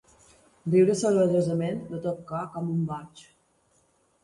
Riure sorollosament, de tot cor, com un boig.